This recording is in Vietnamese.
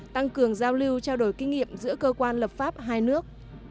tăng cường giao lưu trao đổi kinh nghiệm giữa cơ quan lập pháp hai nước